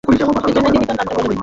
এজন্য কি তার নামটা বলনি?